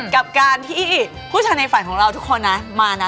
กับการที่ผู้ชายในฝันของเราทุกคนนะมานะ